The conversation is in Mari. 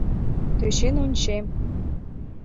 — Тӧчен ончем.